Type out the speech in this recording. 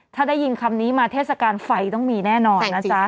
ถ้าได้ยินคำนี้มาเทศกาลไฟต้องมีแน่นอนนะจ๊ะ